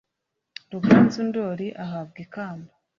ruganzu ndori ahabwa ikamba